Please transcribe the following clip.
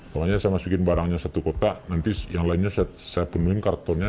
kalau saya masukin barangnya satu kotak nanti yang lainnya saya penuhin kartonnya